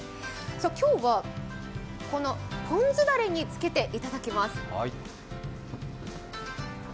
今日は、このポン酢だれにつけていただきます。